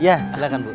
ya silahkan bu